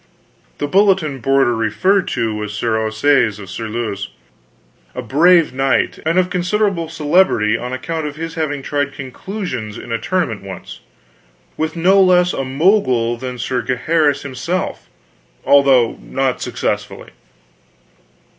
The bulletin boarder referred to was Sir Ossaise of Surluse, a brave knight, and of considerable celebrity on account of his having tried conclusions in a tournament once, with no less a Mogul than Sir Gaheris himself although not successfully.